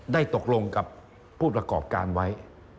ได้ตกลงกับผู้ประกอบการไว้